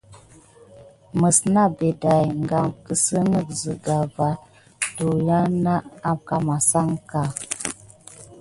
Mis nebet day game kisigué sika va tuyani akamasan aka.